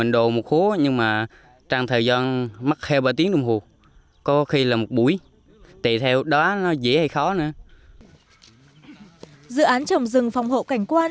dự án trồng rừng phòng hộ cảnh quan